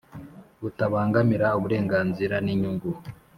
Butabangamira uburenganzira n inyungu